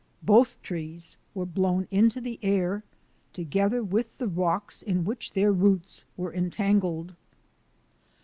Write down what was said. Both trees were blown into the air, together with the rocks in which their roots were entangled.